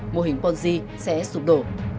mô hình ponzi sẽ sụp đổ